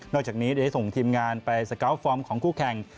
จากนี้ได้ส่งทีมงานไปสกาลฟอร์มของคู่แข่ง